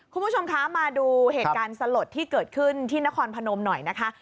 คุณผู้ชมคะมาดูเหตุการณ์สลดที่เกิดขึ้นที่นครพนมหน่อยนะคะ